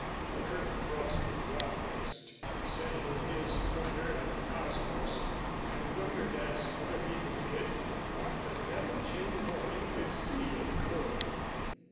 Colonel Crosby Broadhurst sat in his corner at the Cosmos and wondered, as other people did, what the devil Jane Loring could see in Coley.